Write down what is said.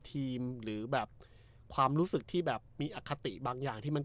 ทีมหรือแบบความรู้สึกที่แบบมีอคติบางอย่างที่มัน